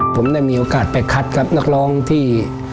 ผมได้มีโอกาสไปคัดกับนักร้องที่